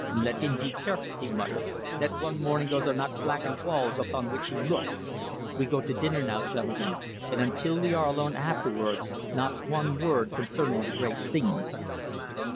"Let him be careful," he muttered, "that one morning those are not blackened walls upon which he looks! We go to dinner now, gentlemen, and, until we are alone afterwards, not one word concerning the great things."